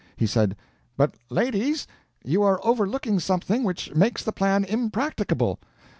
He said "But ladies, you are overlooking something which makes the plan impracticable.